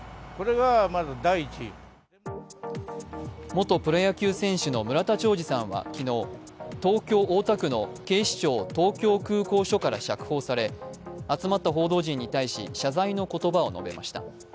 元プロ野球選手の村田兆治さんは昨日、東京・大田区の警視庁東京空港署から釈放され集まった報道陣に対し、謝罪の言葉を述べました。